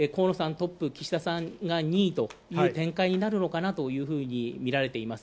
トップ岸田さんが２位という展開になるのかなというふうにみられています。